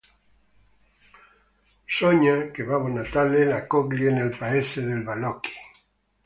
Sogna che Babbo Natale la accoglie nel paese dei balocchi.